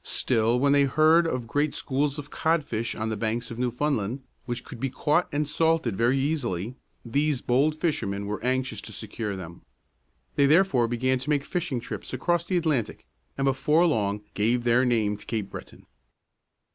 Still, when they heard of great schools of codfish on the Banks of Newfoundland, which could be caught and salted very easily, these bold fishermen were anxious to secure them. They therefore began to make fishing trips across the Atlantic, and before long gave their name to Cape Breton.